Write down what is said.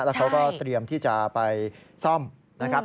แล้วเขาก็เตรียมที่จะไปซ่อมนะครับ